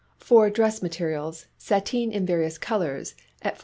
For dress materials, sateen, in various colours, at 4|d.